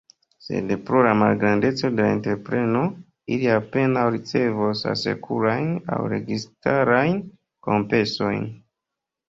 Sed pro la malgrandeco de la entrepreno, ili apenaŭ ricevos asekurajn aŭ registarajn kompensojn.